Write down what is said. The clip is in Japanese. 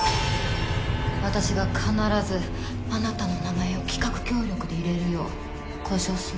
私が必ずあなたの名前を企画協力で入れるよう交渉するわ。